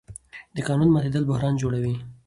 د قانون ماتېدل بحران جوړوي